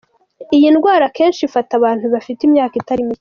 Iyi ndwara akenshi ifata abantu bafite imyaka itari mike.